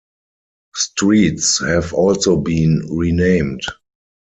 Streets have also been renamed.